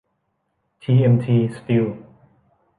ทีเอ็มที สตีล